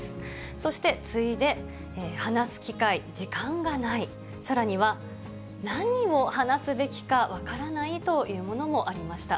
そして次いで、話す機会、時間がない、さらには、何を話すべきか分からないというものもありました。